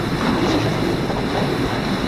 তিনি শীর্ষস্থানীয় ভূমিকা পালন করেন।